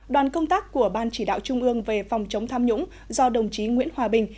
đoàn công tác của ban chỉ đạo trung ương về phòng chống tham nhũng do đồng chí nguyễn hòa bình